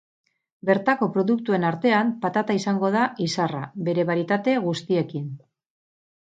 Bertako produktuen artean patata izango da izarra, bere barietate guztiekin.